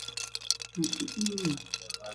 De quines escoles rep també algunes obres?